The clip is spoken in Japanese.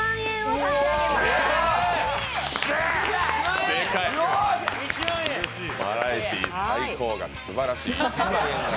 バラエティー最高額、すばらしい。